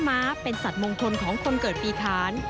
ม้าเป็นสัตว์มงคลของคนเกิดปีฐาน